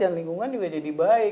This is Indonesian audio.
dan lingkungan juga jadi baik